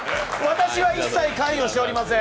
私は一切関与しておりません。